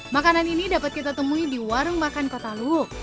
makanan ini dapat kita temui di warung makan kota luwuk